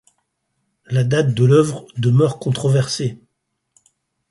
La date de l'œuvre demeure controversée.